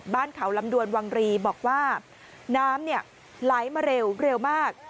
บ้านเขาลำดวนวังรีบอกว่าน้ำเนี่ยไล่มาเร็วเร็วมาก